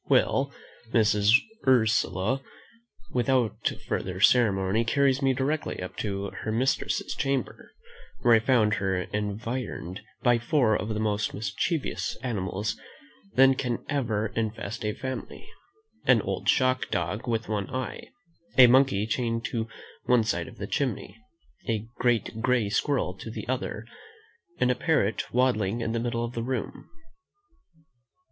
Well, Mrs. Ursula, without further ceremony, carries me directly up to her mistress's chamber, where I found her environed by four of the most mischievous animals than can ever infest a family; an old shock dog with one eye, a monkey chained to one side of the chimney, a great grey squirrel to the other, and a parrot waddling in the middle of the room.